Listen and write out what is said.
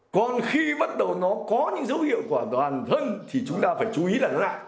còn khi bắt đầu nó có những dấu hiệu của toàn thân thì chúng ta phải chú ý là nó là